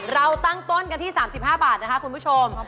เราตั้งต้นกันที่๓๕บาทนะคะคุณผู้ชม